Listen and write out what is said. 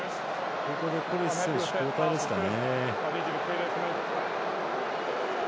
これでコルビ選手交代ですかね。